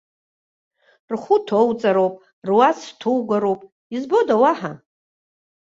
Рхәы ҭоуҵароуп, руац ҭугароуп, избода уаҳа?!